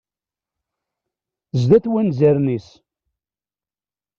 Zdat wanzaren-is.